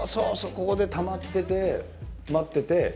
ここでたまってて待ってて。